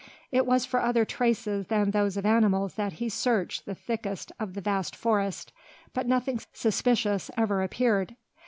It was for other traces than those of animals that he searched the thickest of the vast forest, but nothing suspicious ever appeared.